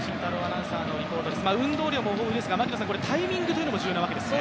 運動量も豊富ですがタイミングも重要なわけですね？